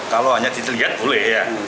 kalau hanya dilihat boleh ya